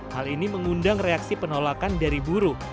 hal ini mengundang reaksi penolakan dari buruh